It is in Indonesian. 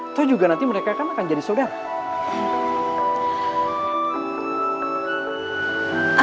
atau juga nanti mereka akan jadi saudara